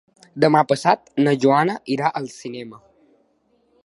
Demà passat na Joana irà al cinema.